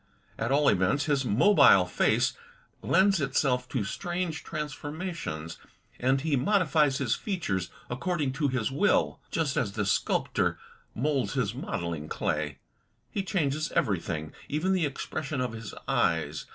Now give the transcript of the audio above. At all events, his mobile face lends itself to strange transformations, and he modifies his features according to his will, just as the sculptor moulds his modelling clay. He changes everything, even the expres sion of his eyes.